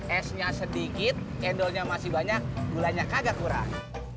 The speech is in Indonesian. esnya sedikit cendolnya masih banyak gulanya kagak kurang